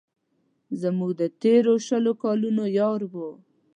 زموږ د تېرو شلو کلونو یار دی.